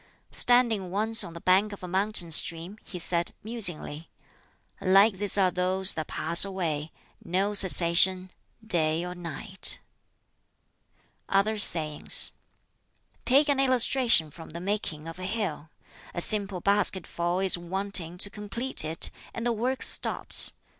Standing once on the bank of a mountain stream, he said (musingly), "Like this are those that pass away no cessation, day or night!" Other sayings: "Take an illustration from the making of a hill. A simple basketful is wanting to complete it, and the work stops.